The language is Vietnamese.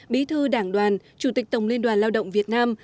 bí thư đảng đoàn chủ tịch tổng liên đoàn lao động việt nam